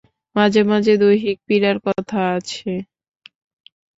মাঝে মাঝে দৈহিক পীড়ার কথা আছে।